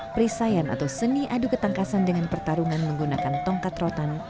perisaian atau seni adu ketangkasan dengan pertarungan menggunakan tongkat rotan